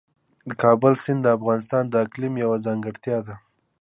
د کابل سیند د افغانستان د اقلیم یوه ځانګړتیا ده.